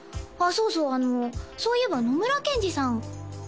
そうそうそういえば野村ケンジさん